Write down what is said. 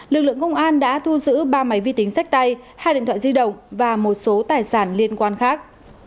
lực lượng công an đã thu giữ ba máy vi tính sách tay hai điện thoại di động và một số tài sản liên quan khác